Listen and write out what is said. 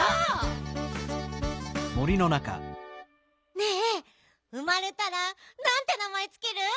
ねえ生まれたらなんてなまえつける？